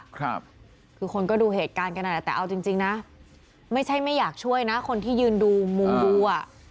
คือคนก็ดูเหตุการณ์กันนั่นแหละแต่เอาจริงจริงนะไม่ใช่ไม่อยากช่วยนะคนที่ยืนดูมุงดูอ่ะ